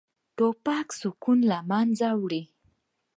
توپک سکون له منځه وړي.